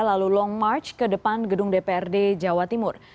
lalu long march ke depan gedung dprd jawa timur